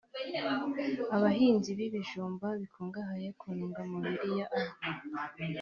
abahinzi b’ibijumba bikungahaye ku ntungamubiri ya A